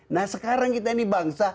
nah sekarang kita ini bangsa